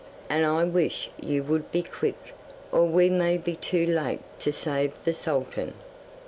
And I wish you would be quick, or we may be too late to save the sultan.